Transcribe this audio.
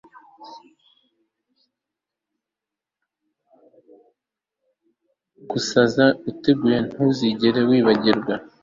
Gusaza utaguye ntuzigere wibagirwa